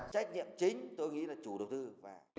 trách nhiệm chính tôi nghĩ là chủ đầu tư